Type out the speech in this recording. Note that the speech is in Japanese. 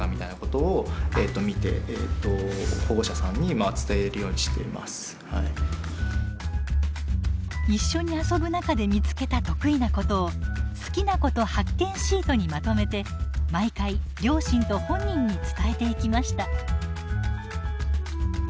そういう例えばＲくんに関しては一緒に遊ぶ中で見つけた得意なことを「好きなこと発見シート」にまとめて毎回両親と本人に伝えていきました。